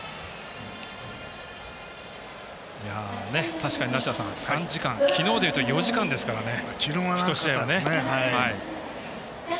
確かに梨田さん３時間、昨日でいうと４時間ですからね、１試合はね。